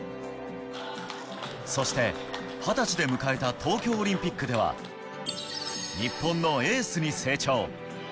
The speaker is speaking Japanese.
そして二十歳で迎えた東京オリンピックでは、日本のエースに成長。